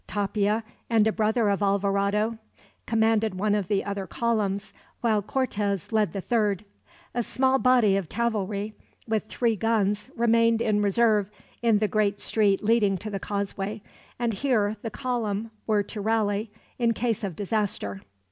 Tapia and a brother of Alvarado commanded one of the other columns, while Cortez led the third. A small body of cavalry, with three guns, remained in reserve in the great street leading to the causeway; and here the column were to rally, in case of disaster.